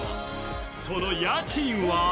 その家賃は？